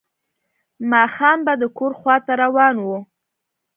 ماښام به د کور خواته روان و.